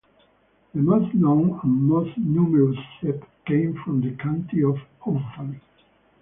The most known and most numerous sept came from the county of Offaly.